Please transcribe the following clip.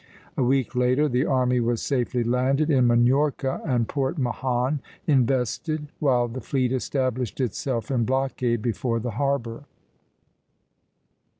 A week later the army was safely landed in Minorca, and Port Mahon invested, while the fleet established itself in blockade before the harbor.